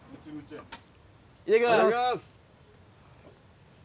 いただきます。